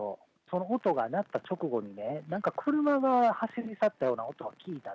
その音が鳴った直後にね、なんか車が走り去ったような音を聞いた。